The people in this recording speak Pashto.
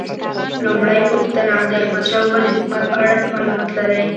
لومړۍ پوښتنه: د احمدشاه بابا د حکومت په اړه څه معلومات لرئ؟